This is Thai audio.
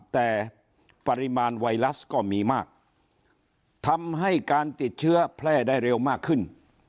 แต่ปริมาณไวรัสก็มีมากทำให้การติดเชื้อแพร่ได้เร็วมากขึ้น